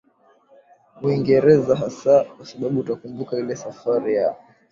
uingereza hasa kwa sababu utakumbuka ile safari ya